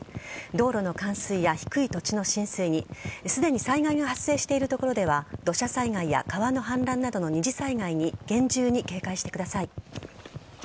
道路の冠水や低い土地の浸水にすでに災害が発生している所では土砂災害や川の氾濫などの二次災害に厳重に警戒してください。